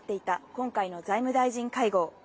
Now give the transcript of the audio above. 今回の財務大臣会合。